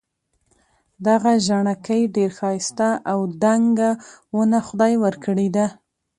دغه ژڼکی ډېر ښایسته او دنګه ونه خدای ورکړي ده.